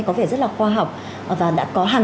có vẻ rất là khoa học và đã có hẳn